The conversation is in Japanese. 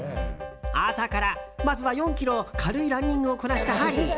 朝から、まずは４ｋｍ軽いランニングをこなしたハリー。